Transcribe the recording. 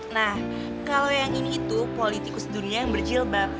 nah kalau yang ini itu politikus dunia yang berjilbab